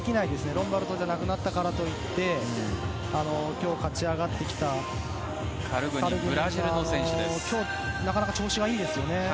ロンバルドじゃなくなったからといって今日勝ち上がってきたカルグニンはなかなか調子がいいですよね。